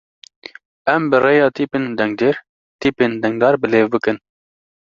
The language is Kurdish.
Em bi rêya tîpên dengdêr, tîpên dengdar bi lêv bikin.